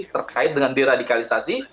terkait dengan deradikalisasi